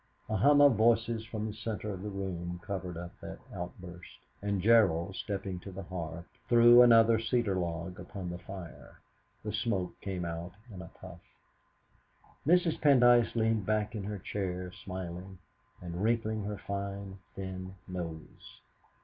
A hum of voices from the centre of the room covered up that outburst, and Gerald, stepping to the hearth, threw another cedar log upon the fire. The smoke came out in a puff. Mrs. Pendyce leaned back in her chair smiling, and wrinkling her fine, thin nose.